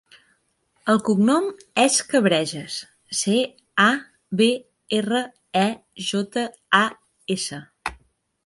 El cognom és Cabrejas: ce, a, be, erra, e, jota, a, essa.